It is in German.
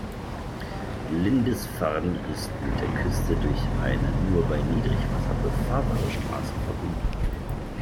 Lindisfarne ist mit der Küste durch eine nur bei Niedrigwasser befahrbare Straße verbunden.